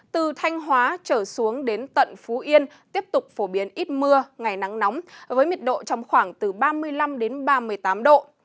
từ thanh hóa trở xuống đến tận phú yên tiếp tục phổ biến ít mưa ngày nắng nóng với mịt độ trong khoảng từ ba mươi năm đến ba mươi tám độ